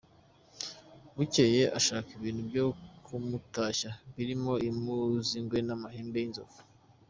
Bukeye ashaka ibintu byo kumutashya birimo impu z’ingwe n’amahembe y’inzovu.